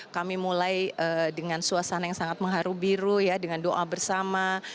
kami mulai dengan suasana yang sangat mengharu biru ya dengan doa bersama